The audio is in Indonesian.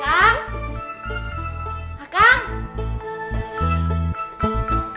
kayaknya n diferente